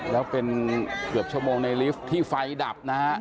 แล้วเป็นเกือบชั่วโมงในลิฟท์ที่ไฟดับนะฮะ